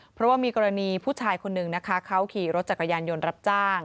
เพราะว่ามีกรณีผู้ชายคนนึงนะคะเขาขี่รถจักรยานยนต์รับจ้าง